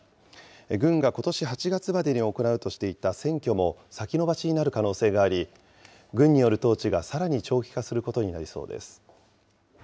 軍がことし８月までに行うとしていた選挙も、先延ばしになる可能性があり、軍による統治がさらに長期化することになりそうです。